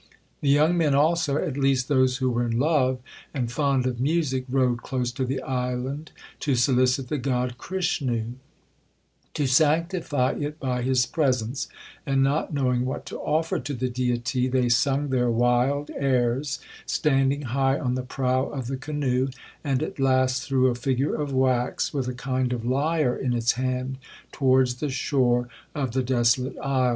The young men also, at least those who were in love and fond of music, rowed close to the island to solicit the god Krishnoo2 to sanctify it by his presence; and not knowing what to offer to the deity, they sung their wild airs standing high on the prow of the canoe, and at last threw a figure of wax, with a kind of lyre in its hand, towards the shore of the desolate isle.